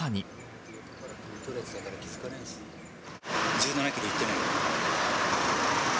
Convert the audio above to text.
１７キロいってない。